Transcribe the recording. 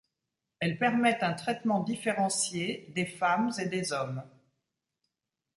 Elle permet un traitement différencié des femmes et des hommes.